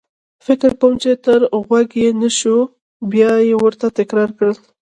فکر کوم چې تر غوږ يې نه شول، بیا مې ورته تکرار کړل.